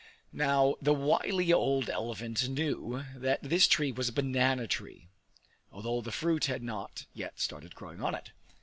Now the wily old elephant knew that this tree was a banana tree, although the fruit had not yet started growing on it.